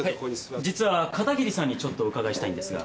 実は片桐さんにちょっとお伺いしたいんですが。